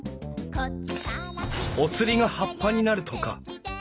お釣りが葉っぱになるとか？